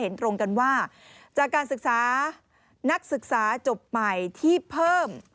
ตรงกันว่าจากการศึกษานักศึกษาจบใหม่ที่เพิ่ม